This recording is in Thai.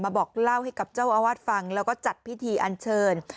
บอกเล่าให้กับเจ้าอาวาสฟังแล้วก็จัดพิธีอันเชิญ